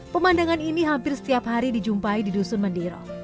pemandangan ini hampir setiap hari dijumpai di dusun mendiro